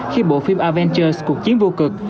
khi bộ phim avengers cuộc chiến vua cực